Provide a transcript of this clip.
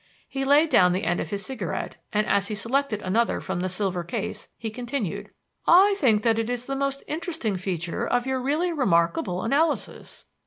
He laid down the end of his cigarette, and, as he selected another from the silver case, he continued: "I think that is the most interesting feature of your really remarkable analysis.